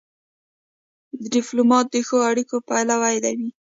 ډيپلومات د ښو اړیکو پلوی وي.